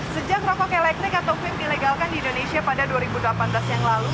sejak rokok elektrik atau fim dilegalkan di indonesia pada dua ribu delapan belas yang lalu